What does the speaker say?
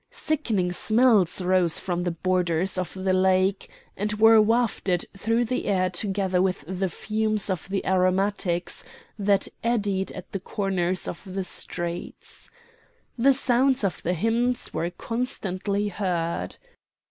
Sickening smells rose from the borders of the Lake, and were wafted through the air together with the fumes of the aromatics that eddied at the corners of the streets. The sounds of hymns were constantly heard.